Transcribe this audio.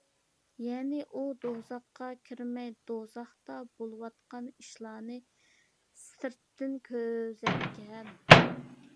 يەنى ئۇ دوزاخقا كىرمەي، دوزاختا بولۇۋاتقان ئىشلارنى سىرتتىن كۆزەتكەن.